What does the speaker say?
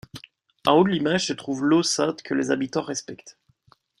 En haut de l’image se trouve l’eau sainte que les habitants respectent.